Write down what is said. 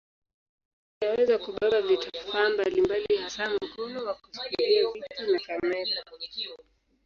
Inaweza kubeba vifaa mbalimbali hasa mkono wa kushikilia vitu na kamera.